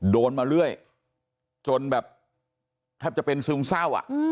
โดนมาเรื่อยจนแบบแทบจะเป็นซึมเศร้า